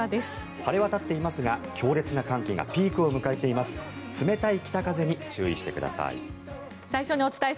晴れ渡っていますが強烈な寒気がピークを迎えています。